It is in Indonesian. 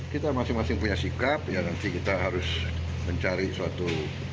kita masing masing punya sikap ya nanti kita harus mencari suatu